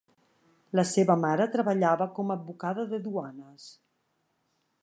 La seva mare treballava com advocada de duanes.